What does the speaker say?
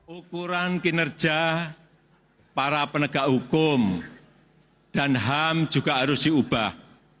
ukuran kinerja para penegak hukum dan ham juga harus diubah